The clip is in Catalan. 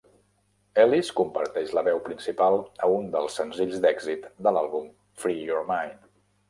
Ellis comparteix la veu principal a un dels senzills d'èxit de l'àlbum: "Free Your Mind".